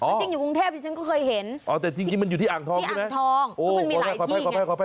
จริงอยู่กรุงเทพที่ฉันก็เคยเห็นอ๋อแต่จริงมันอยู่ที่อ่างทองใช่ไหมอ่างทอง